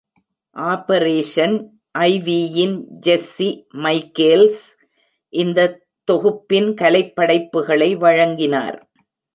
Operation ஐவியின் Jesse Michaels இந்தத் தொகுப்பின் கலைப்படைப்புகளை வழங்கினார்.